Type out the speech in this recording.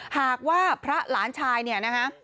หากว่าพระหลานชายเนี่ยนะคะ